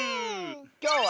きょうは。